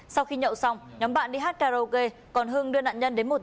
sau khi nhậu xong nhóm bạn đi hát karaoke còn hưng đưa nạn nhân đến một nhà nghỉ gần